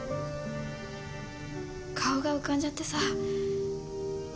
顔が浮かんじゃってさ。